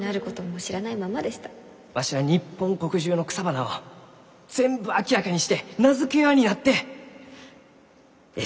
わしは日本国中の草花を全部明らかにして名付け親になって絵と文にするがじゃ。